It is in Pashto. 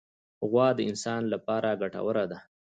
غوا د انسان له پاره ګټوره ده.